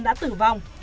đã tử vong